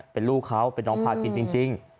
เป็นลูกเขาเป็นน้องพาคินจริง